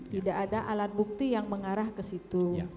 tidak ada alat bukti yang mengarah ke situ